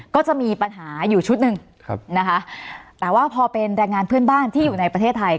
ก็จะมีปัญหาอยู่ชุดหนึ่งนะคะแต่ว่าพอเป็นแรงงานเพื่อนบ้านที่อยู่ในประเทศไทย